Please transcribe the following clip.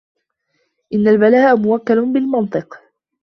إنَّ الْبَلَاءَ مُوَكَّلٌ بِالْمَنْطِقِ